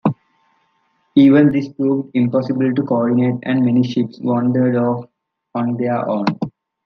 Even this proved impossible to coordinate, and many ships wandered off on their own.